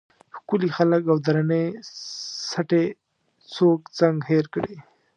ښکلي خلک او درنې سټې څوک څنګه هېر کړي.